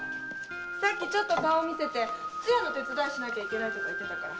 さっきちょっと顔見せて通夜の手伝いしなきゃいけないとか言ってたから。